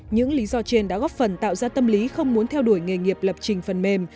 những lý do trên đã góp phần tạo ra tâm lý không muốn theo đuổi nghề nghiệp lập trình phần mềm